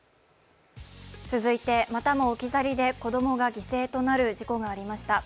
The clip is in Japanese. またも置き去りで子供が犠牲となる事故がありました。